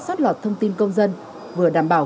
xót lọt thông tin công dân vừa đảm bảo